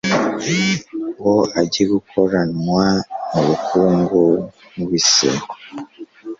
Ngo ajye gukoranwa mu Bukungu Nkubise